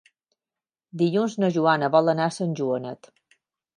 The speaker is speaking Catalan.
Dilluns na Joana vol anar a Sant Joanet.